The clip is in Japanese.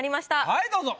はいどうぞ。